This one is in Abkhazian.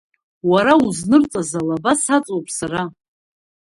Уара узнырҵаз алаба саҵоуп сара.